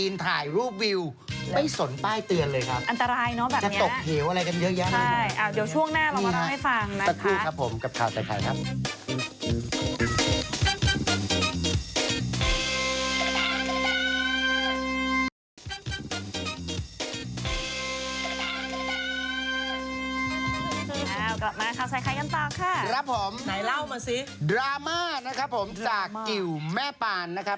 ดราม่านะครับผมจากกิวแม่ปานนะครับ